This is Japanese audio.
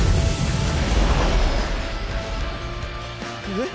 えっ？